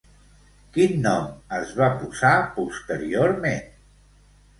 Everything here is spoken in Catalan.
Quin nom es va posar posteriorment?